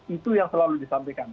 itu yang selalu disampaikan